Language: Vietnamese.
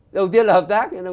đầu tiên là hợp tác